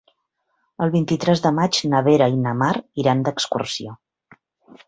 El vint-i-tres de maig na Vera i na Mar iran d'excursió.